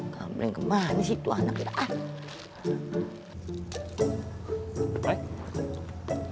kampleng kemana sih tuh anaknya ah